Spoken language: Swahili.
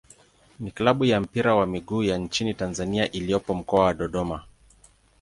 ni klabu ya mpira wa miguu ya nchini Tanzania iliyopo Mkoa wa Dodoma.